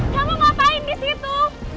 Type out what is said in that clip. kamu ngapain disitu